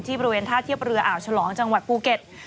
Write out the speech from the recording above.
บริเวณท่าเทียบเรืออ่าวฉลองจังหวัดภูเก็ต